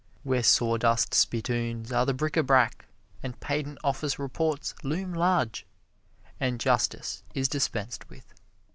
where sawdust spittoons are the bric a brac and patent office reports loom large, and justice is dispensed with.